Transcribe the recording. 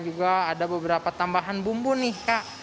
juga ada beberapa tambahan bumbu nih kak